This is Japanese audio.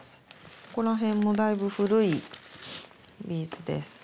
ここら辺もだいぶ古いビーズです。